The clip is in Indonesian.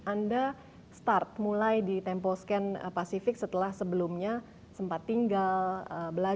anda mulai di temposcan pacific setelah sebelumnya sempat tinggal belajar dan bahkan bekerja ya pak ya di anda tempat